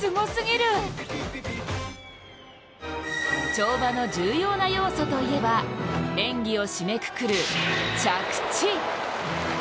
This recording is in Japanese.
跳馬の重要な要素といえば演技を締めくくる着地。